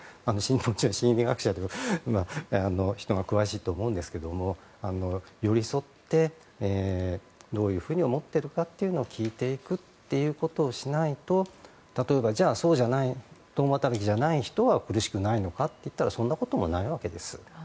心理学者の人が詳しいと思うんですけれども寄り添ってどういうふうに思っているか聞いていくことをしないと例えば共働きじゃない人は苦しくないのかといったらそんなこともないわけです。